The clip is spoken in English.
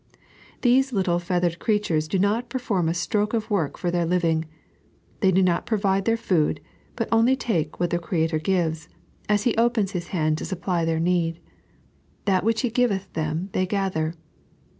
These little feathered creatui^os do not perform a stroke of work for their living. They do not provide their food, but only take what the Creator gives, as He opens His band to supply their need. That which He giveth them they gather.